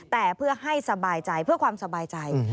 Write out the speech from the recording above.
แต่เพื่อให้สบายใจเพื่อความสบายใจ